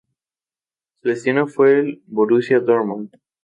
Su destino fue el Borussia Dortmund.